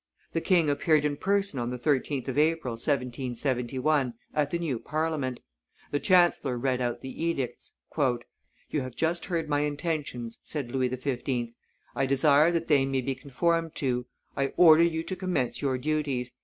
The king appeared in person on the 13th of April, 1771, at the new Parliament; the chancellor read out the edicts. "You have just heard my intentions," said Louis XV.; "I desire that they may be conformed to. I order you to commence your duties.